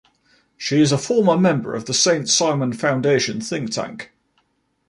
She is a former member of the Saint-Simon Foundation think-tank.